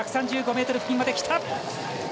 １３５ｍ付近まで来た。